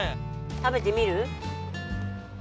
食べてみる？